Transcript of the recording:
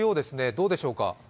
どうでしょうか？